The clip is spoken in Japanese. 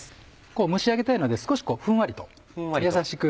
蒸し上げたいので少しふんわりと優しく。